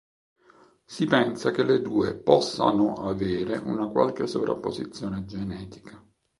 Si pensa che le due possano avere una qualche sovrapposizione genetica.